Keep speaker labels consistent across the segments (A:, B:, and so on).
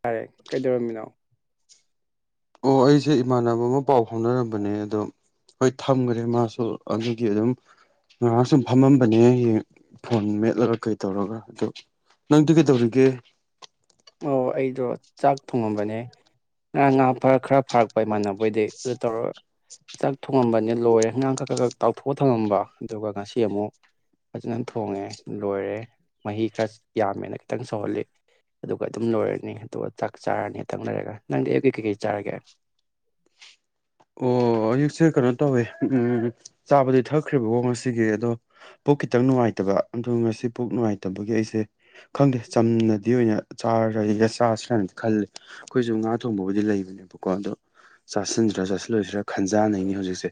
A: ꯇꯥꯌꯦ ꯀꯩꯗꯧꯔꯝꯃꯤꯅꯣ
B: ꯑꯣ ꯑꯩꯁꯦ ꯏꯃꯥꯟꯅꯕ ꯑꯃ ꯄꯥꯎ ꯐꯥꯎꯅꯔꯝꯕꯅꯦ ꯑꯗꯣ ꯍꯣꯏ ꯊꯝꯈ꯭ꯔꯦ ꯃꯥꯁꯨ ꯑꯗꯨꯒꯤ ꯑꯗꯨꯝ ꯉꯥꯏꯍꯥꯛ ꯁꯨꯝ ꯐꯝꯃꯝꯕꯅꯦ ꯌꯦꯡ ꯐꯣꯟ ꯃꯦꯠꯂꯒ ꯀꯩꯇꯧꯔꯒ ꯑꯗꯨ ꯅꯪꯗꯤ ꯀꯩꯗꯧꯔꯤꯒꯦ
A: ꯑꯣ ꯑꯩꯗꯣ ꯆꯥꯛ ꯊꯣꯡꯉꯝꯕꯅꯦ ꯉꯔꯥꯡ ꯉꯥ ꯈꯔ ꯐꯥꯔꯛꯄ ꯏꯃꯥꯟꯅꯕꯍꯣꯏꯗꯩ ꯑꯗꯨ ꯇꯧꯔ ꯆꯥꯛ ꯊꯣꯡꯉꯝꯕꯅꯦ ꯂꯣꯏꯔꯦ ꯉꯥ ꯈꯛ ꯈ ꯈ ꯇꯥꯎꯊꯣꯛꯑ ꯊꯝꯃꯝꯕ ꯑꯗꯨꯒ ꯉꯁꯤ ꯑꯃꯨꯛ ꯐꯖꯅ ꯊꯣꯡꯉꯦ ꯂꯣꯏꯔꯦ ꯃꯍꯤ ꯈꯔ ꯌꯥꯝꯃꯦꯅ ꯈꯤꯇꯪ ꯁꯧꯍꯜꯂꯤ ꯑꯗꯨꯒ ꯑꯗꯨꯝ ꯂꯣꯏꯔꯅꯤ ꯑꯗꯨꯒ ꯆꯥꯛ ꯆꯥꯔꯅꯤ ꯉꯥꯛꯇꯪ ꯂꯩꯔꯒ ꯅꯪꯗꯤ ꯑꯩꯌꯨꯛꯀꯤ ꯀꯩꯀꯩ ꯆꯥꯔꯒꯦ
B: ꯑꯣ ꯑꯌꯨꯛꯁꯦ ꯀꯩꯅꯣ ꯇꯧꯋꯦ ꯎꯝ ꯆꯥꯕꯨꯗꯤ ꯊꯛꯈ꯭ꯔꯦꯕꯀꯣ ꯉꯁꯤꯒꯤ ꯑꯗꯣ ꯄꯨꯛ ꯈꯤꯇꯪ ꯅꯨꯡꯉꯥꯏꯇꯕ ꯑꯗꯣ ꯉꯁꯤ ꯄꯨꯛ ꯅꯨꯡꯉꯥꯏꯇꯕꯒꯤ ꯑꯩꯁꯦ ꯈꯪꯗꯦ ꯆꯝꯅꯗꯤ ꯑꯣꯏꯅ ꯆꯥꯔꯒ ꯆꯥꯔꯁꯤꯔꯥ ꯍꯥꯏꯅ ꯈꯜꯂꯤ ꯑꯩꯈꯣꯏꯁꯨ ꯉꯥ ꯊꯣꯡꯕꯕꯨꯗꯤ ꯂꯩꯕꯅꯦꯕꯀꯣ ꯑꯗꯣ ꯆꯥꯁꯤꯟꯗ꯭ꯔꯥ ꯆꯥꯁꯤꯟ ꯂꯣꯏꯁꯤꯔꯥ ꯈꯟꯖꯥꯅꯩꯅꯤ ꯍꯧꯖꯤꯛꯁꯦ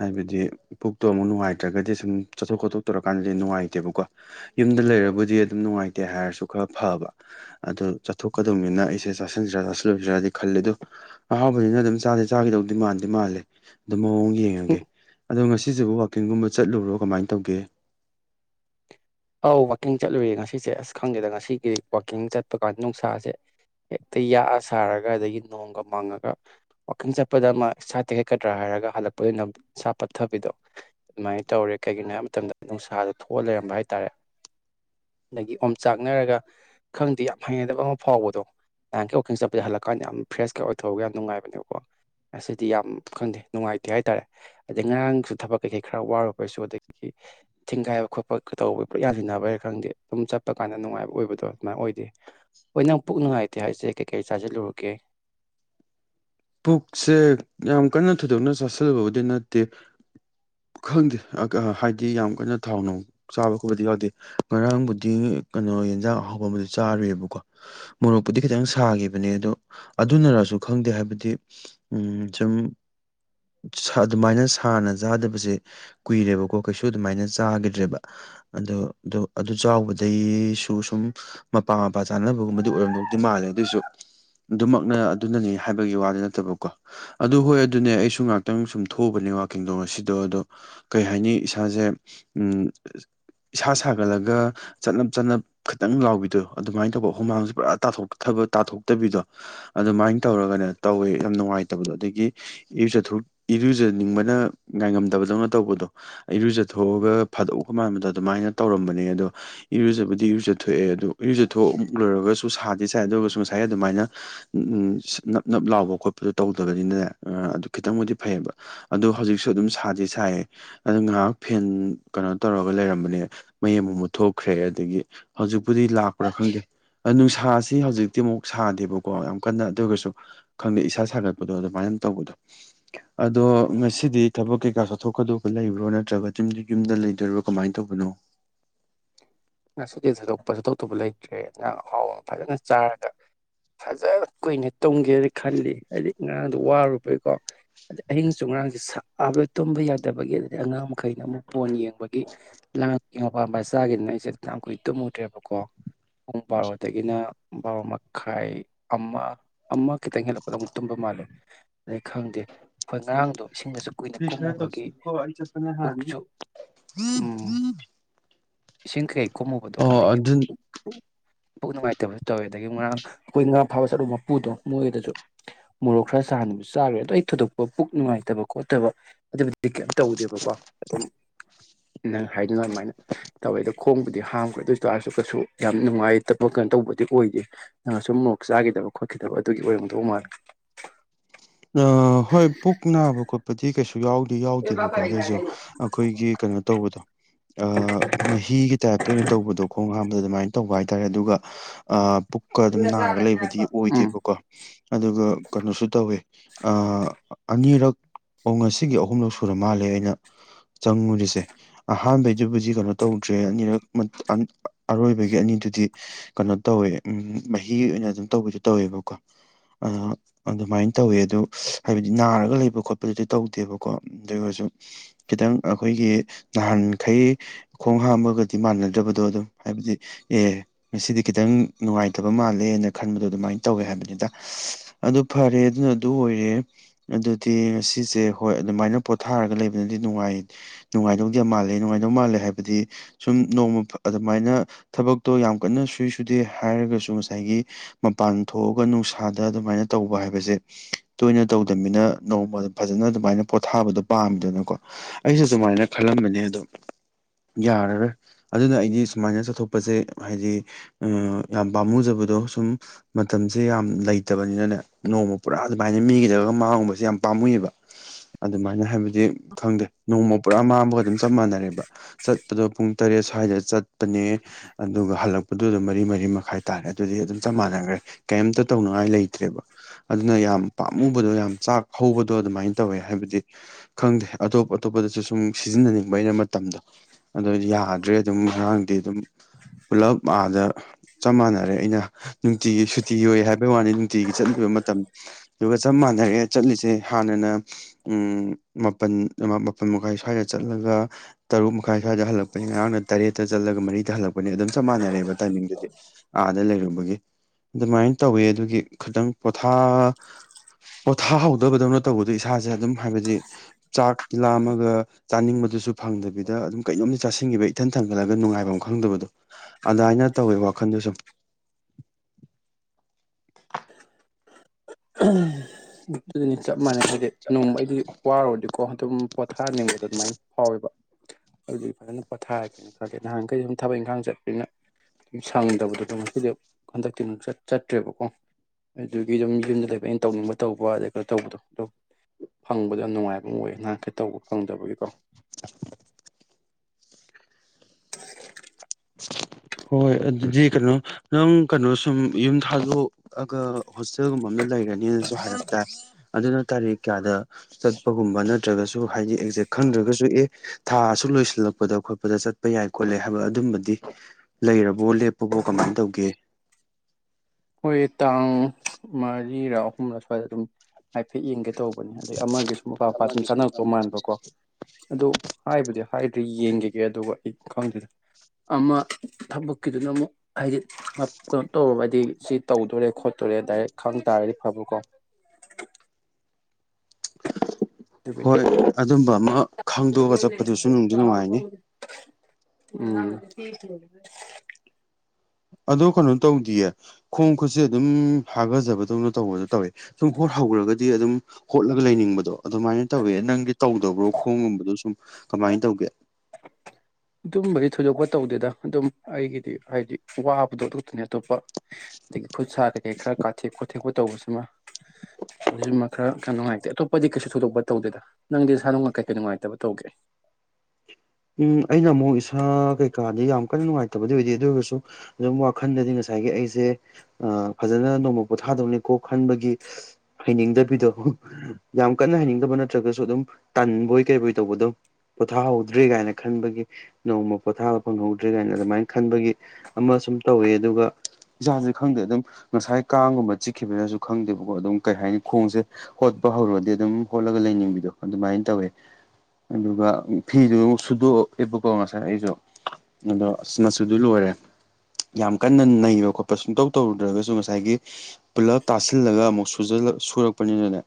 B: ꯍꯥꯏꯕꯗꯤ ꯄꯨꯛꯇꯣ ꯑꯃꯨꯛ ꯅꯨꯡꯉꯥꯏꯇ꯭ꯔꯒꯗꯤ ꯁꯨꯝ ꯆꯠꯊꯣꯛ ꯈꯣꯠꯇꯣꯛ ꯇꯧꯔꯀꯥꯟꯗꯗꯤ ꯅꯨꯡꯉꯥꯏꯇꯦꯕꯀꯣ ꯌꯨꯝꯗ ꯂꯩꯔꯕꯨꯗꯤ ꯑꯗꯨꯝ ꯅꯨꯡꯉꯥꯏꯇꯦ ꯍꯥꯏꯔꯁꯨ ꯈꯔ ꯐꯕ ꯑꯗꯣ ꯆꯠꯊꯣꯛꯀꯗꯧꯅꯤꯅ ꯑꯩꯁꯦ ꯆꯥꯁꯤꯟꯁꯤꯔꯥ ꯆꯥꯁꯤꯜꯂꯣꯏꯁꯤꯔꯥꯗꯤ ꯈꯜꯂꯤ ꯑꯗꯨ ꯑꯍꯥꯎꯕꯅꯤꯅ ꯑꯗꯨꯝ ꯆꯥꯗꯤ ꯆꯥꯈꯤꯗꯧꯗꯤ ꯃꯥꯟ ꯗꯤ ꯃꯥꯜꯂꯦ ꯑꯗꯨ ꯃꯑꯣꯡ ꯌꯦꯡꯉꯒꯦ ꯑꯗꯣ ꯉꯁꯤꯁꯤꯕꯨ ꯋꯥꯛꯀꯤꯡꯒꯨꯝꯕ ꯆꯠꯂꯨꯕ꯭ꯔꯣ ꯀꯃꯥꯏꯅ ꯇꯧꯒꯦ
A: ꯑꯧ ꯋꯥꯛꯀꯤꯡ ꯆꯠꯂꯨꯏꯌꯦ ꯉꯁꯤꯁꯦ ꯑꯁ ꯈꯪꯗꯦꯗ ꯉꯁꯤꯒꯤ ꯋꯥꯛꯀꯤꯡ ꯆꯠꯄ ꯀꯥꯟ ꯅꯨꯡꯁꯥꯁꯦ ꯍꯦꯛꯇ ꯌꯥꯛꯑ ꯁꯥꯔꯒ ꯑꯗꯒꯤ ꯅꯣꯡꯒ ꯃꯪꯉꯒ ꯋꯥꯛꯀꯤꯡ ꯆꯠꯄꯗ ꯑꯃ ꯏꯁꯥ ꯇꯦꯛꯈꯠꯀꯗ꯭ꯔꯥ ꯍꯥꯏꯔꯒ ꯍꯜꯂꯛꯄꯗ ꯑꯣꯏꯅ ꯏꯁꯥ ꯄꯠꯊꯕꯤꯗꯣ ꯑꯗꯨꯃꯥꯏꯅ ꯇꯧꯔꯦ ꯀꯩꯔꯤꯒꯤꯅꯣ ꯍꯥꯏ ꯃꯇꯝꯗ ꯅꯨꯡꯁꯥꯗꯣ ꯊꯣꯛꯑ ꯂꯩꯔꯝꯕ ꯍꯥꯏꯇꯥꯔꯦ ꯑꯗꯒꯤ ꯑꯣꯝ ꯆꯥꯛꯅꯔꯒ ꯈꯪꯗꯦ ꯌꯥꯝ ꯍꯩꯅꯗꯕ ꯑꯃ ꯐꯥꯎꯕꯗꯣ ꯅꯥꯍꯥꯟꯈꯩ ꯋꯥꯛꯀꯤꯡ ꯆꯠꯄꯗꯤ ꯍꯜꯂꯛꯀꯥꯟꯗ ꯌꯥꯝ ꯐ꯭ꯔꯦꯁꯀ ꯑꯣꯏꯊꯣꯛꯑꯒ ꯌꯥꯝ ꯅꯨꯡꯉꯥꯏꯕꯅꯦꯀꯣ ꯉꯁꯤꯗꯤ ꯌꯥꯝ ꯈꯪꯗꯦ ꯅꯨꯡꯉꯥꯏꯇꯦ ꯍꯥꯏꯇꯥꯔꯦ ꯑꯗꯩ ꯉꯔꯥꯡꯁꯨ ꯊꯕꯛ ꯀꯩꯀꯩ ꯈꯔ ꯋꯥꯔꯨꯕꯩꯁꯨ ꯑꯗꯒꯤ ꯊꯤꯡꯒꯥꯏꯕ ꯈꯣꯠꯄ ꯀꯩ ꯇꯧꯕꯩ ꯄꯨ ꯌꯥꯁꯤꯟꯅꯕꯩꯔ ꯈꯪꯗꯦ ꯑꯗꯨꯝ ꯆꯠꯄ ꯀꯥꯟꯗ ꯅꯨꯡꯉꯥꯏꯕ ꯑꯣꯏꯕꯗꯣ ꯑꯗꯨꯃꯥꯏ ꯑꯣꯏꯗꯦ ꯍꯣꯏ ꯅꯪ ꯄꯨꯛ ꯅꯨꯡꯉꯥꯏꯇꯦ ꯍꯥꯏꯁꯦ ꯀꯩꯀꯩ ꯆꯥꯁꯤꯜꯂꯨꯔꯒꯦ
B: ꯄꯨꯛꯁꯦ ꯌꯥꯝ ꯀꯟꯅ ꯊꯣꯏꯗꯣꯛꯅ ꯆꯥꯁꯤꯜꯂꯨꯕꯕꯨꯗꯤ ꯅꯠꯇꯦ ꯈꯪꯗꯦ ꯑꯒ ꯍꯥꯏꯗꯤ ꯌꯥꯝ ꯀꯟꯅ ꯊꯥꯎ ꯅꯨꯡ ꯆꯥꯕ ꯈꯣꯄꯗꯤ ꯌꯥꯎꯗꯦ ꯉꯔꯥꯡꯕꯨꯗꯤ ꯀꯩꯅꯣ ꯌꯦꯟꯁꯥꯡ ꯑꯍꯥꯎꯕꯕꯨꯗꯤ ꯆꯥꯔꯨꯏꯌꯦꯕꯀꯣ ꯃꯣꯔꯣꯛꯄꯨꯗꯤ ꯈꯤꯇꯪ ꯁꯥꯈꯤꯕꯅꯦ ꯑꯗꯣ ꯑꯗꯨꯅꯔꯁꯨ ꯈꯪꯗꯦ ꯍꯥꯏꯕ ꯗꯤ ꯎꯝ ꯁꯨꯝ ꯑꯗꯨꯃꯥꯏꯅ ꯁꯥꯅ ꯆꯥꯗꯕꯁꯦ ꯀꯨꯏꯔꯦꯕꯀꯣ ꯀꯩꯁꯨ ꯑꯗꯨꯃꯥꯏꯅ ꯆꯥꯒꯤꯗ꯭ꯔꯦꯕ ꯑꯗꯣ ꯑꯗꯣ ꯑꯗꯨ ꯆꯥꯎꯕꯗꯩꯁꯨ ꯁꯨꯝ ꯃꯄꯥ ꯃꯄꯥ ꯆꯥꯅꯕꯒꯨꯝꯕꯗꯤ ꯑꯣꯏꯔꯝꯗꯧꯗꯤ ꯃꯥꯜꯂꯦ ꯑꯗꯨꯏꯁꯨ ꯑꯗꯨꯃꯛꯅ ꯑꯗꯨꯅꯅꯤ ꯍꯥꯏꯕ ꯕꯒꯤ ꯋꯥꯗꯤ ꯅꯠꯇꯕꯀꯣ ꯑꯗꯨ ꯍꯣꯏ ꯑꯗꯨꯅꯦ ꯑꯩꯁꯨ ꯉꯍꯥꯛꯇꯪ ꯁꯨꯝ ꯊꯣꯛꯎꯕꯅꯦ ꯋꯥꯛꯀꯤꯡꯗꯣ ꯉꯁꯤꯗꯣ ꯑꯗꯣ ꯀꯩ ꯍꯥꯏꯅꯤ ꯏꯁꯥꯁꯦ ꯎꯝ ꯏꯁꯥ ꯁꯥꯒꯠꯂꯒ ꯆꯠꯅꯞ ꯆꯠꯅꯞ ꯈꯤꯇꯪ ꯂꯥꯎꯕꯤꯗꯣ ꯑꯗꯨꯃꯥꯏꯅ ꯇꯧꯕ ꯍꯨꯃꯥꯡꯁꯨ ꯄꯨꯔꯥ ꯇꯥꯊꯣꯛꯕ ꯇꯥꯊꯣꯛꯇꯕꯤꯗꯣ ꯑꯗꯨꯃꯥꯏꯅ ꯇꯧꯔꯒꯅꯦ ꯇꯧꯋꯦ ꯌꯥꯝ ꯅꯨꯡꯉꯥꯏꯇꯕꯗꯣ ꯑꯗꯒꯤ ꯏꯔꯨꯖꯊꯣꯛ ꯏꯔꯨꯖꯅꯤꯡꯕꯅ ꯉꯥꯏꯉꯝꯗꯕꯗꯧꯅ ꯇꯧꯕꯗꯣ ꯑꯩꯔꯨꯖꯊꯣꯛꯑꯒ ꯐꯥꯗꯣꯒ ꯃꯥꯟꯕꯗꯣ ꯑꯗꯨꯃꯥꯏꯅ ꯇꯧꯔꯝꯕꯅꯦ ꯑꯗꯣ ꯏꯔꯨꯖꯕꯨꯗꯤ ꯏꯔꯨꯖꯊꯑꯦ ꯑꯗꯣ ꯏꯔꯨꯖꯊꯣꯛꯑꯒꯁꯨ ꯂꯣꯏꯔꯒꯁꯨ ꯁꯥꯗꯤ ꯁꯥꯏ ꯑꯗꯨ ꯑꯣꯏꯔꯒꯁꯨ ꯉꯁꯥꯏ ꯑꯗꯨꯃꯥꯏꯅ ꯎꯝ ꯅꯞ ꯅꯞ ꯂꯥꯎꯕ ꯈꯣꯠꯄꯗꯨ ꯇꯧꯗꯕꯅꯤꯅꯅꯦ ꯑꯥ ꯑꯗꯨ ꯈꯤꯇꯪꯕꯨꯗꯤ ꯐꯩꯌꯦꯕ ꯑꯗꯣ ꯍꯧꯖꯤꯛꯁꯨ ꯑꯗꯨꯝ ꯁꯥꯗꯤ ꯁꯥꯏꯌꯦ ꯑꯗꯨ ꯉꯥꯏꯍꯥꯛ ꯐꯦꯟ ꯀꯩꯅꯣ ꯇꯧꯔꯒ ꯂꯩꯔꯝꯕꯅꯦ ꯃꯩ ꯑꯃꯨꯛ ꯃꯨꯠꯊꯣꯛꯈ꯭ꯔꯦ ꯑꯗꯒꯤ ꯍꯧꯖꯤꯛꯄꯨꯗꯤ ꯂꯥꯛꯄ꯭ꯔꯥ ꯈꯪꯗꯦ ꯑꯥꯅꯨꯡꯁꯥꯁꯤ ꯍꯧꯖꯤꯛꯇꯤ ꯑꯃꯨꯛ ꯁꯥꯗꯦꯕꯀꯣ ꯌꯥꯝ ꯀꯟꯅ ꯑꯗꯨ ꯑꯣꯏꯒꯁꯨ ꯈꯪꯗꯦ ꯏꯁꯥ ꯁꯥꯒꯠꯄꯗꯣ ꯑꯗꯨꯃꯥꯏꯅ ꯇꯧꯕꯗꯣ ꯑꯗꯣ ꯉꯁꯤꯗꯤ ꯊꯕꯛ ꯀꯩꯀꯥ ꯆꯠꯊꯣꯛꯀꯥꯗꯣꯛꯄ ꯂꯩꯕ꯭ꯔꯣ ꯅꯠꯇ꯭ꯔꯒ [unintelligible] ꯌꯨꯝꯗ ꯂꯩꯗꯣꯢꯔꯣ ꯀꯃꯥꯏ ꯇꯧꯕꯅꯣ
A: ꯉꯁꯤꯁꯥꯗꯣꯛꯄ ꯆꯠꯊꯣꯛꯇꯣꯕ ꯂꯩꯇ꯭ꯔꯦ ꯢꯟꯖꯥꯡ ꯑꯍꯥꯎ ꯑꯃ ꯐꯖꯅ ꯆꯥꯔꯒ ꯐꯖꯅ ꯀꯨꯏꯅ ꯇꯨꯝꯒꯦꯗꯤ ꯈꯜꯂꯤ ꯍꯥꯏꯗꯤ ꯉꯥꯡꯗꯣ ꯋꯥꯔꯨꯕꯩꯀꯣ ꯑꯗ ꯑꯍꯤꯡꯁꯨ ꯉꯔꯥꯡꯁꯦ ꯁꯥꯕꯗ ꯇꯨꯝꯕ ꯌꯥꯗꯕꯒꯤ ꯑꯗꯨꯗꯤ ꯑꯉꯥꯡ ꯃꯈꯩꯅ ꯑꯃꯨꯛ ꯄꯣꯟ ꯌꯦꯡ ꯕꯒꯤ ꯂꯥꯡꯉꯛ ꯃꯄꯥ ꯃꯄꯥ ꯆꯥꯒꯤꯗꯅ ꯑꯩꯁꯦ ꯌꯥꯝ ꯀꯨꯏꯅ ꯇꯨꯝꯃꯨꯗ꯭ꯔꯦꯕꯀꯣ ꯄꯨꯡ ꯕꯥꯔꯣꯗꯒꯤꯅ ꯕꯥꯔꯣ ꯃꯈꯥꯏ ꯑꯃ ꯑꯃ ꯈꯤꯇꯪ ꯍꯦꯜꯂꯛꯄꯗ ꯑꯃꯨꯛ ꯇꯨꯝꯕ ꯃꯥꯜꯂꯦ ꯑꯗꯩ ꯈꯪꯗꯦ ꯑꯩꯈꯣꯏ ꯉꯔꯥꯡꯗꯣ ꯏꯁꯤꯡꯗꯁꯨ ꯀꯨꯏꯅ ꯀꯨꯝꯃꯨꯕꯒꯤ ꯄꯨꯛꯁꯨ ꯎꯝ ꯏꯁꯤꯡ ꯀꯩꯀꯩ ꯀꯣꯝꯃꯨꯕꯗꯣ
B: ꯑꯣ
A: ꯑꯗꯨꯒꯤ
B: ꯑꯗꯨ
A: ꯄꯨꯛ ꯅꯨꯡꯉꯥꯏꯇꯕꯁꯨ ꯇꯧꯋꯦ ꯑꯗꯒꯤ ꯉꯔꯥꯡ ꯑꯩꯈꯣꯏ ꯉꯥ ꯐꯥꯕ ꯆꯠꯂꯨ ꯃꯄꯨꯗꯣ ꯃꯣꯏꯑꯗꯁꯨ ꯃꯣꯔꯣꯛ ꯈꯔ ꯁꯥꯅꯕꯁꯨ ꯆꯥꯔꯨꯔꯦ ꯑꯗꯣ ꯑꯩ ꯊꯣꯏꯗꯣꯛꯄ ꯄꯨꯛ ꯅꯨꯡꯉꯥꯏꯇꯕ ꯈꯣꯠꯇꯕ ꯑꯗꯨꯕꯨꯗꯤ ꯀꯩ ꯇꯧꯗꯦꯕꯀꯣ ꯑꯗꯨꯝ ꯅꯪ ꯍꯥꯏꯗꯣꯏꯅꯣ ꯑꯗꯨꯃꯥꯏꯅ ꯇꯧꯋꯦ ꯑꯗꯣ ꯈꯣꯡꯕꯨꯗꯤ ꯍꯥꯝꯈ꯭ꯔꯦ ꯑꯗꯨ ꯑꯣꯏꯇꯥꯔꯁꯨ ꯀꯩꯁꯨ ꯌꯥꯝ ꯅꯨꯡꯉꯥꯏꯇꯕ ꯀꯩꯅꯣ ꯇꯧꯕꯗꯤ ꯑꯣꯏꯗꯦ ꯑ ꯁꯨꯝ ꯅꯣꯛ ꯆꯥꯈꯤꯗꯕ ꯈꯣꯠꯈꯤꯗꯕ ꯑꯗꯨꯒꯤ ꯑꯣꯏꯔꯝꯗꯧ ꯃꯥꯜꯂꯦ
B: ꯑ ꯍꯣꯏ ꯄꯨꯛ ꯅꯥꯕ ꯈꯣꯠꯄꯗꯤ ꯀꯩꯁꯨ ꯌꯥꯎꯗꯤ ꯌꯥꯎꯗꯦꯕꯀꯣ ꯑꯗꯣꯏꯁꯨ ꯑꯩꯈꯣꯏꯒꯤ ꯀꯩꯅꯣ ꯇꯧꯕꯗꯣ ꯑ ꯃꯍꯤꯒꯤ ꯇꯥꯏꯞꯇ ꯑꯣꯏꯅ ꯇꯧꯕꯗꯣ ꯈꯣꯡ ꯍꯥꯝꯕꯗ ꯑꯗꯨꯃꯥꯏꯅ ꯇꯧꯕ ꯍꯥꯏꯇꯥꯔꯦ ꯑꯗꯨꯒ ꯑ ꯄꯨꯛꯀ ꯑꯗꯨꯝ ꯅꯥꯔꯒ ꯂꯩꯕꯗꯤ
A: ꯎꯝ
B: ꯑꯣꯏꯗꯦꯕꯀꯣ ꯑꯗꯨꯒ ꯀꯩꯅꯣꯁꯨ ꯇꯧꯋꯦ ꯑ ꯑꯅꯤꯔꯛ ꯑꯣ ꯉꯁꯤꯒꯤ ꯑꯍꯨꯝꯂꯛ ꯁꯨꯔ ꯃꯥꯜꯂꯦ ꯑꯩꯅ ꯆꯪꯉꯨꯔꯤꯁꯦ ꯑꯍꯥꯟꯕꯩꯗꯨꯕꯨꯗꯤ ꯀꯩꯅꯣ ꯇꯧꯗ꯭ꯔꯦ ꯑꯅꯤꯔꯛ [unintelligible] ꯑꯔꯣꯏꯕꯒꯤ ꯑꯅꯤꯗꯨꯗꯤ ꯀꯩꯅꯣ ꯇꯧꯋꯦ ꯎꯝ ꯃꯍꯤ ꯑꯣꯏꯅ ꯑꯗꯨꯝ ꯇꯧꯕꯁꯨ ꯇꯧꯋꯦꯕꯀꯣ ꯑ ꯑꯗꯨꯃꯥꯏꯅ ꯇꯧꯋꯦ ꯑꯗꯨ ꯍꯥꯏꯕꯗꯤ ꯅꯥꯔꯒ ꯂꯩꯕ ꯈꯣꯠꯄꯗꯨꯗꯤ ꯇꯧꯗꯦꯕꯀꯣ ꯑꯗꯨ ꯑꯣꯏꯔꯁꯨ ꯈꯤꯇꯪ ꯑꯩꯈꯣꯏꯒꯤ ꯅꯍꯥꯟꯈꯩ ꯈꯣꯡ ꯍꯥꯝꯕꯒꯗꯤ ꯃꯥꯟꯅꯗꯕꯗꯣ ꯑꯗꯨꯝ ꯍꯥꯏꯕꯗꯤ ꯑꯦ ꯉꯁꯤꯗꯤ ꯈꯤꯇꯪ ꯅꯨꯡꯉꯥꯏꯇꯕ ꯃꯥꯜꯂꯦꯅ ꯈꯟꯕꯗꯣ ꯑꯗꯨꯃꯥꯏꯅ ꯇꯧꯋꯦ ꯍꯥꯏꯕꯅꯤꯗ ꯑꯗꯨ ꯐꯔꯦ ꯑꯗꯨꯅ ꯑꯗꯨ ꯑꯣꯏꯔꯦ ꯑꯗꯨꯗꯤ ꯉꯁꯤꯁꯦ ꯍꯣꯏ ꯑꯗꯨꯃꯥꯏꯅ ꯄꯣꯊꯥꯔꯒ ꯂꯩꯕꯅꯗꯤ ꯅꯨꯡꯉꯥꯏꯅꯤ ꯅꯨꯡꯉꯥꯏꯗꯧꯗꯤ ꯌꯥꯝ ꯃꯥꯜꯂꯦ ꯅꯨꯡꯉꯥꯏꯗꯧ ꯃꯥꯜꯂꯦ ꯍꯥꯏꯕꯗꯤ ꯁꯨꯝ ꯅꯣꯡꯃ ꯐ ꯑꯗꯨꯃꯥꯏꯅ ꯊꯕꯛꯇꯣ ꯌꯥꯝ ꯀꯟꯅ ꯁꯨꯏ ꯁꯨꯗꯦ ꯍꯥꯏꯔꯒꯁꯨ ꯉꯁꯥꯏꯒꯤ ꯃꯄꯥꯟ ꯊꯣꯛꯑꯒ ꯅꯨꯡꯁꯥꯗ ꯑꯗꯨꯃꯥꯏꯅ ꯇꯧꯕ ꯍꯥꯏꯕꯁꯦ ꯇꯣꯏꯅ ꯇꯧꯗꯝꯅꯤꯅ ꯅꯣꯡꯃ ꯐꯖꯅ ꯑꯗꯨꯃꯥꯏꯅ ꯄꯣꯊꯥꯕꯗꯣ ꯄꯥꯝꯃꯤꯗꯅꯀꯣ ꯑꯩꯁꯨ ꯁꯨꯃꯥꯏꯅ ꯈꯜꯂꯝꯕꯅꯦ ꯑꯗꯨꯝ ꯌꯥꯔꯔꯣꯏ ꯑꯗꯨꯅ ꯑꯩꯗꯤ ꯁꯨꯃꯥꯏꯅ ꯆꯠꯊꯣꯛꯄꯁꯦ ꯍꯥꯏꯗꯤ ꯎ ꯌꯥꯝ ꯄꯥꯝꯃꯨꯖꯕꯗꯣ ꯁꯨꯝ ꯃꯇꯝꯁꯦ ꯌꯥꯝ ꯂꯩꯇꯕꯅꯤꯅꯅꯦ ꯅꯣꯡꯃ ꯄꯨꯔꯥ ꯑꯗꯨꯃꯥꯏꯅ ꯃꯤꯒꯗꯕꯒ ꯃꯥꯒꯨꯝꯕꯁꯦ ꯌꯥꯝ ꯄꯥꯝꯃꯨꯏꯑꯕ ꯑꯗꯨꯃꯥꯏꯅ ꯍꯥꯏꯕꯗꯤ ꯈꯪꯗꯦ ꯅꯣꯡꯃ ꯄꯨꯔꯥ ꯃꯥꯡꯕꯒ ꯑꯗꯨꯝ ꯆꯞ ꯃꯥꯟꯅꯔꯦꯕ ꯆꯠꯄꯗꯣ ꯄꯨꯡ ꯇꯔꯦꯠ ꯁ꯭ꯋꯥꯏꯗ ꯆꯠꯄꯅꯦ ꯑꯗꯨꯒ ꯍꯜꯂꯛꯄꯗꯨꯗ ꯃꯔꯤ ꯃꯔꯤ ꯃꯈꯥꯏ ꯇꯥꯔꯦ ꯑꯗꯨꯗꯤ ꯑꯗꯨꯝ ꯆꯞ ꯃꯥꯟꯅꯈ꯭ꯔꯦ ꯀꯩꯝꯇ ꯇꯧꯅꯉꯥꯏ ꯂꯩꯇ꯭ꯔꯦꯕ ꯑꯗꯨꯅ ꯌꯥꯝ ꯄꯥꯝꯃꯨꯕꯗꯣ ꯌꯥꯝ ꯆꯥꯛ ꯍꯧꯕꯗꯣ ꯑꯗꯨꯃꯥꯏꯅ ꯇꯧꯋꯦ ꯍꯥꯏꯕꯗꯤ ꯈꯪꯗꯦ ꯑꯇꯣꯞ ꯑꯇꯣꯞꯄꯗꯁꯨ ꯁꯨꯝ ꯁꯤꯖꯤꯟꯅꯅꯤꯡꯕ ꯑꯩꯅ ꯃꯇꯝꯗꯣ ꯑꯗꯣ ꯑꯩꯗꯤ ꯌꯥꯗ꯭ꯔꯦ ꯑꯗꯨꯝ ꯉꯔꯥꯡꯗꯤ ꯑꯗꯨꯝ ꯄꯨꯂꯞ ꯑꯥꯗ ꯆꯞ ꯃꯥꯟꯅꯔꯦ ꯑꯩꯅ ꯅꯨꯡꯇꯤꯒꯤ ꯁꯨꯇꯤ ꯑꯣꯏ ꯍꯥꯏꯕ ꯋꯥꯅꯤ ꯅꯨꯡꯇꯤꯒꯤ ꯆꯠꯂꯤꯕ ꯃꯇꯝ ꯇꯝ ꯑꯗꯨꯒ ꯆꯞ ꯃꯥꯟꯅꯔꯦ ꯆꯠꯂꯤꯁꯦ ꯍꯥꯟꯅꯅ ꯎꯝ ꯃꯥꯄꯜ ꯃꯥꯄꯜ ꯃꯈꯥꯏ ꯁ꯭ꯋꯥꯏꯗ ꯆꯠꯂꯒ ꯇꯔꯨꯛ ꯃꯈꯥꯏ ꯁ꯭ꯋꯥꯏꯗ ꯍꯜꯂꯛꯄꯅꯦ ꯉꯔꯥꯡꯅ ꯇꯔꯦꯠꯇ ꯆꯠꯂꯒ ꯃꯔꯤꯗ ꯍꯜꯂꯛꯄꯅꯤ ꯑꯗꯨꯝ ꯆꯞ ꯃꯥꯟꯅꯔꯦꯕ ꯇꯥꯏꯃꯤꯡꯗꯨꯗꯤ ꯑꯥꯗ ꯂꯩꯔꯨꯕꯒꯤ ꯑꯗꯨꯃꯥꯏꯅ ꯇꯧꯋꯤ ꯑꯗꯨꯒꯤ ꯈꯤꯇꯪ ꯄꯣꯊꯥ ꯄꯣꯊꯥꯍꯧꯗꯕꯗꯧꯅ ꯇꯧꯕꯗ ꯏꯁꯥꯁꯦ ꯑꯗꯨꯝ ꯍꯥꯏꯕꯗꯤ ꯆꯥꯛ ꯂꯥꯝꯃꯒ ꯆꯥꯅꯤꯡꯕꯗꯨꯁꯨ ꯐꯪꯗꯕꯤꯗ ꯑꯗꯨꯝ ꯀꯩꯅꯣꯝꯇ ꯆꯥꯁꯤꯟꯈꯤꯕ ꯏꯊꯟ ꯊꯥꯡꯒꯠꯂꯒ ꯅꯨꯡꯉꯥꯏꯕ ꯑꯃ ꯈꯪꯗꯕꯗꯣ ꯑꯗꯨꯗ ꯑꯥꯏꯅ ꯇꯧꯋꯦ ꯋꯥꯈꯟꯗꯣ ꯁꯨꯝ
A: ꯑꯗꯨꯅꯤ ꯆꯞ ꯃꯥꯟꯅꯩ ꯍꯥꯏꯗꯤ ꯅꯣꯡꯃ ꯑꯩꯗꯨꯗꯤ ꯋꯥꯔꯨꯔꯗꯤ ꯀꯣ ꯑꯗꯨꯝ ꯄꯣꯊꯥꯅꯤꯡꯕꯗꯣ ꯑꯗꯨꯃꯥꯏꯅ ꯐꯥꯎꯋꯦꯕ ꯑꯗꯨꯗꯤ ꯐꯖꯅ ꯄꯣꯊꯥꯔꯒꯦꯅ ꯈꯔꯦ ꯅꯍꯥꯟꯈꯩ ꯁꯨꯝ ꯊꯕꯛ ꯏꯪꯈꯥꯡ ꯆꯠꯄꯅꯤꯅ ꯁꯥꯡꯅꯤꯡꯗꯕꯗꯨꯗ ꯃꯁꯤꯗ ꯍꯟꯗꯛꯇꯤ ꯆꯠꯇ꯭ꯔꯦꯕꯀꯣ ꯑꯗꯨꯒꯤ ꯑꯗꯨꯝ ꯌꯨꯝꯗ ꯂꯩꯕ ꯑꯩꯅ ꯇꯧꯅꯤꯡꯕ ꯇꯧꯕ ꯑꯗꯩ ꯈꯔ ꯇꯧꯕꯗꯣ ꯑꯗꯨ ꯐꯪꯕꯗ ꯅꯨꯡꯉꯥꯏꯕ ꯑꯃ ꯑꯣꯏꯌꯦ ꯉꯍꯥꯛ ꯀꯩ ꯇꯧꯕ ꯐꯪꯗꯕꯒꯤꯀꯣ
B: ꯍꯣꯏ ꯑꯗꯨꯗꯤ ꯀꯩꯅꯣ ꯅꯪ ꯀꯩꯅꯣ ꯁꯨꯝ ꯌꯨꯝ ꯊꯥꯗꯣꯛꯑꯒ ꯍꯣꯁꯇꯦꯜꯒꯨꯝꯕ ꯑꯃꯗ ꯂꯩꯔꯅꯤꯅꯁꯨ ꯍꯥꯏꯔꯞ ꯇꯥꯏ ꯑꯗꯨꯅ ꯇꯥꯔꯤꯛ ꯀꯌꯥꯗ ꯆꯠꯄꯒꯨꯝꯕ ꯅꯠꯇ꯭ꯔꯥꯒꯁꯨ ꯍꯥꯏꯗꯤ ꯑꯦꯛꯖꯦꯛ ꯈꯪꯗ꯭ꯔꯥꯒꯁꯨ ꯑꯦ ꯊꯥ ꯑꯁꯨꯛ ꯂꯣꯏꯁꯤꯜꯂꯛꯄꯗ ꯈꯣꯠꯄꯗ ꯆꯠꯄ ꯌꯥꯏ ꯈꯣꯠꯂꯦ ꯍꯥꯏꯕ ꯑꯗꯨꯝꯕ ꯗꯤ ꯂꯩꯔꯕꯣ ꯂꯦꯞꯄꯕꯣ ꯀꯃꯥꯏꯟ ꯇꯧꯒꯦ
A: ꯍꯣꯏ ꯇꯥꯡ ꯃꯔꯤꯔꯥ ꯑꯍꯨꯝꯂꯥ ꯁ꯭ꯋꯥꯏꯗ ꯑꯗꯨꯝ ꯍꯥꯏꯐꯦꯠ ꯌꯦꯡꯒꯦ ꯇꯧꯕꯅꯦ ꯑꯗꯩ ꯑꯃꯒꯤ ꯁꯨꯝ ꯃꯄꯥ ꯃꯄꯥ ꯁꯨꯝ ꯆꯥꯅꯔꯛꯇꯧ ꯃꯥꯟꯕꯀꯣ ꯑꯗꯨ ꯍꯥꯏꯕꯨꯗꯤ ꯍꯥꯏꯗꯔꯤ ꯌꯦꯡꯒꯤꯒꯦ ꯑꯗꯨꯒ ꯑꯩ ꯈꯪꯗꯦꯗ ꯑꯃ ꯊꯕꯛꯀꯤꯗꯨꯅ ꯑꯃꯨꯛ ꯍꯥꯏꯗꯤ ꯀꯩꯅꯣ ꯇꯧꯔꯕ ꯍꯥꯏꯗꯤ ꯁꯤ ꯇꯧꯗꯣꯔꯦ ꯈꯣꯠꯇꯣꯔꯦ ꯗꯥꯏꯔꯦꯛ ꯈꯪ ꯇꯥꯔꯗꯤ ꯐꯕꯀꯣ ꯑꯗꯨꯒꯤꯅꯤ
B: ꯍꯣꯏ ꯑꯗꯨꯝꯕ ꯑꯃ ꯈꯪꯗꯣꯛꯑꯒ ꯆꯠꯄꯗꯨꯁꯨ ꯅꯨꯡꯗꯤ ꯅꯨꯡꯉꯥꯏꯅꯤ
A: ꯎꯝ
B: ꯑꯗꯨ ꯀꯥꯅꯣ ꯇꯧꯗꯤꯌꯦ ꯈꯣꯡ ꯈꯨꯠꯁꯦ ꯑꯗꯨꯝ ꯍꯥꯒꯖꯕꯗꯧꯅ ꯇꯧꯕꯗ ꯇꯧꯋꯤ ꯁꯨꯝ ꯍꯣꯠ ꯍꯧꯒ꯭ꯔꯥꯒꯗꯤ ꯑꯗꯨꯝ ꯍꯣꯠꯂꯒ ꯂꯩꯅꯤꯡꯕꯗꯣ ꯑꯗꯨꯃꯥꯏꯅ ꯇꯧꯋꯦ ꯅꯪꯗꯤ ꯇꯧꯗꯕ꯭ꯔꯣ ꯈꯣꯡꯒꯨꯝꯕꯗꯣ ꯁꯨꯝ ꯀꯃꯥꯏꯟ ꯇꯧꯒꯦ
A: ꯗꯨꯝꯕꯗꯤ ꯊꯣꯏꯗꯣꯛꯄ ꯇꯧꯗꯦꯗ ꯑꯗꯨꯝ ꯑꯩꯒꯤꯗꯤ ꯍꯥꯏꯗꯤ ꯋꯥꯕꯗꯣ ꯑꯗꯨ ꯈꯛꯇꯅꯦ ꯇꯣꯞꯄ ꯑꯗꯒꯤ ꯈꯨꯠ ꯁꯥ ꯀꯩ ꯀꯩ ꯈꯔ ꯀꯥꯊꯦꯛ ꯈꯣꯊꯦꯛꯄ ꯇꯧꯕꯁꯤꯃꯥ ꯑꯗꯨꯖꯨꯃꯥ ꯈꯔ ꯈꯔ ꯅꯨꯡꯉꯥꯏꯇꯦ ꯑꯇꯣꯞꯄꯗꯤ ꯀꯩꯁꯨ ꯊꯣꯏꯗꯣꯛꯄ ꯇꯧꯗꯦꯗ ꯅꯪꯗꯤ ꯏꯁꯥꯅꯨꯡꯃ ꯀꯩꯀꯩ ꯅꯨꯡꯉꯥꯏꯇꯕ ꯇꯧꯒꯦ
B: ꯎꯝ ꯑꯩꯅ ꯑꯃꯨꯛ ꯏꯁꯥ ꯀꯩꯀꯥꯗꯤ ꯌꯥꯝ ꯀꯟꯅ ꯅꯨꯡꯉꯥꯏꯇꯕꯗꯤ ꯑꯣꯏꯗꯦ ꯑꯗꯨ ꯑꯣꯏꯔꯒꯁꯨ ꯑꯗꯨꯝ ꯋꯥꯈꯟꯗꯗꯤ ꯉꯁꯥꯏꯒꯤ ꯑꯩꯖꯦ ꯑꯥ ꯐꯖꯅ ꯅꯣꯡꯃ ꯄꯣꯊꯥꯗꯧꯅꯤꯀꯣ ꯈꯟꯕꯒꯤ ꯍꯩꯅꯤꯡꯗꯕꯤꯗꯣ ꯌꯥꯝ ꯀꯟꯅ ꯍꯩꯅꯤꯡꯗꯕ ꯅꯠꯇ꯭ꯔꯥꯒꯁꯨ ꯑꯗꯨꯝ ꯇꯟꯕꯣꯏ ꯀꯩꯕꯣꯏ ꯇꯧꯕ ꯑꯗꯨꯝ ꯄꯣꯊꯥꯍꯧ ꯗ꯭ꯔꯦ ꯀꯥꯏꯅ ꯈꯟꯕꯒꯤ ꯅꯣꯡꯃ ꯄꯣꯊꯥꯕ ꯐꯪꯍꯧꯗ꯭ꯔꯦ ꯀꯥꯏꯅ ꯑꯗꯨꯃꯥꯏꯅ ꯈꯟꯕꯒꯤ ꯑꯃ ꯁꯨꯝ ꯇꯧꯋꯦ ꯑꯗꯨꯒꯥ ꯏꯁꯥꯖꯦ ꯈꯪꯗꯦ ꯑꯗꯨꯝ ꯉꯁꯥꯏ ꯀꯥꯡꯒꯨꯝꯕ ꯆꯤꯛꯈꯤꯕꯅꯁꯨ ꯈꯪꯗꯦꯕꯀꯣ ꯑꯗꯨꯝ ꯀꯩ ꯍꯥꯏꯅꯤ ꯈꯣꯡꯖꯦ ꯍꯣꯠꯄ ꯍꯧꯔꯨꯔꯗꯤ ꯑꯗꯨꯝ ꯍꯣꯠꯂꯒ ꯂꯩꯅꯤꯡꯕꯤꯗꯣ ꯑꯗꯨꯃꯥꯏꯟ ꯇꯧꯋꯦ ꯑꯗꯨꯒ ꯐꯤꯗꯨ ꯁꯨꯗꯣꯛꯑꯦꯕꯀꯣ ꯉꯁꯥꯏ ꯑꯩꯖꯨ ꯑꯗꯣ ꯑꯁ ꯃꯥꯆꯨꯗꯨ ꯂꯣꯏꯔꯦ ꯌꯥꯝ ꯀꯟꯅ ꯅꯩꯕ ꯈꯣꯠꯄ ꯁꯨꯡꯇꯧ ꯇꯧꯔꯨꯗ꯭ꯔꯥꯒꯖꯨ ꯉꯁꯥꯏꯒꯤ ꯄꯨꯜꯂꯞ ꯇꯥꯁꯤꯜꯂꯒ ꯑꯃꯨꯛ ꯁꯨꯖꯜꯂ ꯁꯨꯔꯛꯄꯅꯤꯅꯅꯦ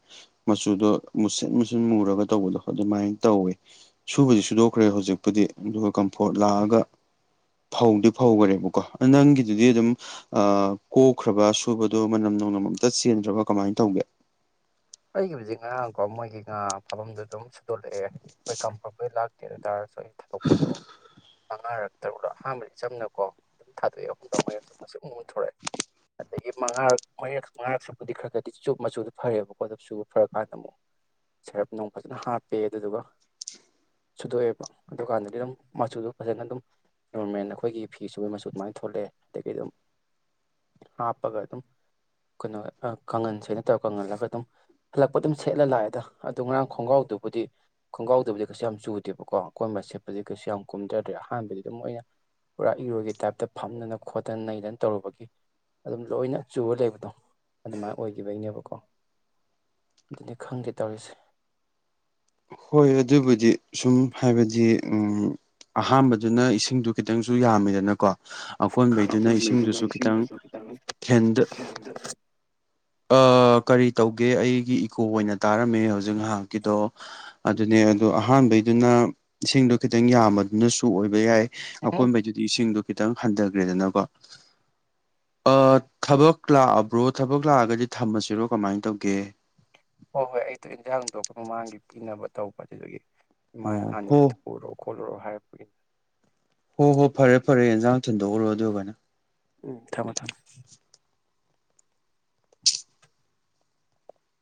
B: ꯃꯆꯨꯗꯣ ꯃꯨꯁꯤꯟ ꯃꯨꯁꯤꯟ ꯃꯨꯔꯒ ꯇꯧꯕꯗꯣ ꯑꯗꯨꯃꯥꯏꯟ ꯇꯧꯋꯦ ꯁꯨꯕꯗꯤ ꯁꯨꯗꯣꯛꯈ꯭ꯔꯦ ꯍꯧꯖꯤꯛꯄꯨꯗꯤ ꯑꯗꯨꯒ ꯀꯝꯐꯣꯔꯠ ꯂꯥꯛꯑꯒ ꯐꯧꯗꯤ ꯐꯧꯒꯥꯔꯦꯕꯀꯣ ꯑꯥ ꯅꯪꯒꯤꯗꯨꯗꯤ ꯑꯗꯨꯝ ꯑꯥ ꯀꯣꯛꯈ꯭ꯔꯥꯕ ꯁꯨꯕꯗꯣ ꯃꯅꯝ ꯅꯣꯡꯅꯝ ꯑꯝꯇꯥ ꯆꯦꯟꯗ꯭ꯔꯥꯕ ꯀꯃꯥꯏꯟ ꯇꯧꯒꯦ
A: ꯑꯩꯒꯤꯕꯨꯗꯤ ꯉꯔꯥꯡꯀꯣ ꯃꯣꯏꯒꯤ ꯉꯥ ꯐꯥꯕꯝꯗꯣ ꯑꯗꯨꯝ ꯁꯨꯗꯣꯂꯛꯑꯦ [inaudible] ꯍꯣꯏ ꯀꯝꯐꯣꯔꯠꯄꯨꯗꯤ ꯂꯥꯛꯇꯦ ꯑꯗꯣꯏ ꯇꯥꯔꯒꯁꯨ ꯑꯩ ꯊꯥꯗꯣꯛꯄꯗꯣ ꯃꯉꯥꯔꯛ ꯇꯔꯨꯛꯔꯛ ꯑꯍꯥꯟꯕꯗꯤ ꯆꯝꯅꯀꯣ ꯑꯗꯨꯝ ꯊꯥꯗꯣꯛꯑꯦ ꯑꯍꯨꯝꯂꯛ ꯃꯔꯤꯔꯛꯁꯨ ꯃꯨꯁꯨꯛ ꯃꯨꯅ ꯊꯣꯔꯛꯑꯦ ꯑꯗꯒꯤ ꯃꯉꯥꯔꯛ ꯃꯔꯤꯔꯛ ꯃꯉꯥꯔꯛ ꯁꯨꯕꯗꯤ ꯈꯔ ꯈꯔꯗꯤ ꯆꯨ ꯃꯆꯨꯗꯣ ꯐꯔꯦꯕ [unintelligible] ꯁꯨꯕ ꯐꯔꯀꯥꯟꯗ ꯑꯃꯨꯛ ꯁꯥꯔꯞ ꯅꯨꯡ ꯐꯖꯅ ꯍꯥꯞꯄꯦ ꯑꯗꯨꯗꯨꯒ ꯁꯨꯗꯣꯛꯑꯦꯕ ꯑꯗꯨꯀꯥꯟꯗꯗꯤ ꯑꯗꯨꯝ ꯃꯆꯨꯗꯣ ꯐꯖꯅ ꯑꯗꯨꯝ ꯅꯣꯔꯃꯦꯟ ꯑꯈꯣꯏꯒꯤ ꯐꯤ ꯁꯨꯕꯩ ꯃꯆꯨ ꯑꯗꯨꯃꯥꯏꯟ ꯊꯣꯛꯂꯛꯑꯦ ꯑꯗꯒꯤ ꯑꯗꯨꯝ ꯍꯥꯞꯄꯒ ꯑꯗꯨꯝ ꯀꯩꯅꯣ ꯑꯥ ꯀꯪꯍꯟꯁꯦ ꯅꯠꯇꯕ ꯀꯪꯍꯜꯂꯒ ꯑꯗꯨꯝ ꯍꯜꯂꯛꯄ ꯗꯨꯝ ꯁꯦꯠꯂ ꯂꯥꯛꯑꯦꯗ ꯑꯗꯨ ꯉꯔꯥꯡ ꯈꯣꯡꯒ꯭ꯔꯥꯎꯗꯨꯕꯨꯗꯤ ꯈꯣꯡꯒ꯭ꯔꯥꯎꯗꯕꯨꯗꯤ ꯀꯩꯁꯨ ꯌꯥꯝ ꯆꯨꯗꯦꯕꯀꯣ ꯑꯈꯣꯟꯕ ꯁꯦꯠꯄꯗꯤ ꯀꯩꯁꯨ ꯌꯥꯝ ꯀꯨꯝꯗ꯭ꯔꯗꯤ ꯑꯍꯥꯟꯕꯗꯤ ꯑꯗꯨꯝ ꯑꯩꯅ ꯄꯨꯔꯥ ꯏꯔꯣꯏꯒꯤ ꯇꯥꯏꯞꯇ ꯐꯝꯗꯅ ꯈꯣꯠꯇꯅ ꯅꯩꯗꯅ ꯇꯧꯔꯨꯕꯒꯤ ꯑꯗꯨꯝ ꯂꯣꯏꯅ ꯆꯨꯔ ꯂꯩꯕꯗꯣ ꯑꯗꯨꯃꯥꯏꯅ ꯑꯣꯏꯈꯤꯕꯒꯤꯅꯦꯕꯀꯣ ꯑꯗꯨꯅꯤ ꯈꯪꯗꯦ ꯇꯧꯔꯤꯁꯦ
B: ꯍꯣꯏ ꯑꯗꯨꯕꯨꯗꯤ ꯁꯨꯝ ꯍꯥꯏꯕꯗꯤ ꯎ ꯑꯍꯥꯟꯕꯗꯨꯅ ꯏꯁꯤꯡꯗꯨ ꯈꯤꯇꯪꯁꯨ ꯌꯥꯝꯃꯤꯗꯅꯀꯣ ꯑꯀꯣꯟꯕꯩꯗꯨꯅ ꯏꯁꯤꯡꯗꯨꯁꯨ ꯈꯤꯇꯪ ꯈꯦꯟꯗ ꯑꯥ ꯀꯔꯤ ꯇꯧꯒꯦ ꯑꯩꯒꯤ ꯏꯀꯣ ꯑꯣꯏꯅ ꯇꯥꯔꯝꯃꯦ ꯍꯧꯖꯤꯛ ꯉꯥꯏꯍꯥꯛꯀꯤꯗꯣ ꯑꯗꯨꯅꯦ ꯑꯗꯣ ꯑꯍꯥꯟꯕꯩꯗꯨꯅ ꯏꯁꯤꯡꯗꯣ ꯈꯤꯇꯪ ꯌꯥꯝꯕꯗꯨꯅꯁꯨ ꯑꯣꯏꯕ ꯌꯥꯏ
A: ꯎꯝ
B: ꯑꯀꯣꯏꯕꯩꯗꯨ ꯏꯁꯤꯡꯗꯣ ꯈꯤꯇꯪ ꯍꯟꯊꯒ꯭ꯔꯦꯗꯅꯀꯣ ꯑꯥ ꯊꯕꯛ ꯂꯥꯛꯑꯕ꯭ꯔꯣ ꯊꯕꯛ ꯂꯥꯛꯑꯒꯗꯤ ꯊꯝꯃꯁꯤꯔꯣ ꯀꯃꯥꯏꯅ ꯇꯧꯒꯦ
A: ꯍꯣꯏ ꯍꯣꯏ ꯑꯩꯗꯣ ꯏꯟꯖꯥꯡꯗꯣ ꯑꯩꯈꯣꯏ ꯃꯃꯥꯡꯒꯤ ꯄꯤꯅꯕ ꯇꯧꯕ ꯑꯗꯨꯗꯒꯤ ꯏꯃꯥꯅ
B: ꯑꯣ
A: ꯍꯥꯟꯅ
B: ꯍꯣ
A: ꯎꯔꯣ ꯈꯣꯠꯂꯨꯔꯣ ꯍꯥꯏꯕꯒꯤ
B: ꯍꯣ ꯍꯣꯏ ꯐꯔꯦ ꯐꯔꯦ ꯌꯦꯟꯖꯥꯡ ꯊꯤꯟꯗꯣꯛꯎꯔꯣ ꯑꯗꯨꯒꯣꯏꯅ
A: ꯎꯝ ꯊꯝꯃꯣ ꯊꯝ